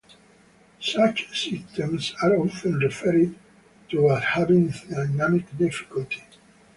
Such systems are often referred to as having dynamic difficulty.